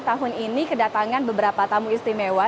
tahun ini kedatangan beberapa tamu istimewa